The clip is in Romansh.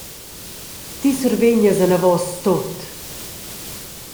Ti survegnas anavos tut.